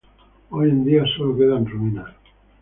Hoy en día solo quedan ruinas.